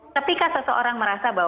ketika seseorang merasa